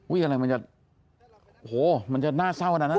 อุ๊ยอะไรมันจะโอ้โฮมันจะน่าเศร้าขนาดนั้นเลยหรอ